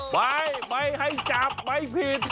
ไปไม่ให้จับไปผิด